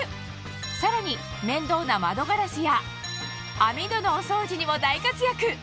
さらに面倒な窓ガラスや網戸のお掃除にも大活躍！